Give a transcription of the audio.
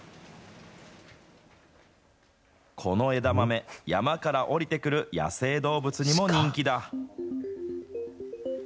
この枝豆、山から下りてくる野生動物にも人気だ。